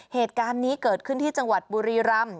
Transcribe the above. เหตุการณ์นี้เกิดขึ้นที่จังหวัดบุรีรำ